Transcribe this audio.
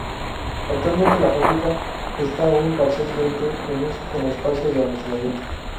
Actualmente la fábrica está aún parcialmente en uso como espacio de almacenamiento.